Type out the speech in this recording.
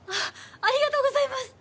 ありがとうございます！